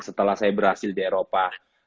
setelah saya berhasil di eropa